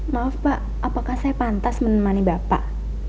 maaf pak apakah saya pantas menemani bapak